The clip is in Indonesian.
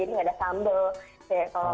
ini enggak ada sambal